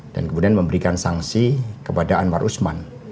dan kemudian memberikan sanksi kepada anwar usman